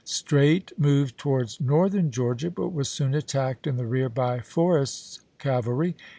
Streight moved towards Northern Georgia, but was soon attacked in the rear by Forrest's cavalry.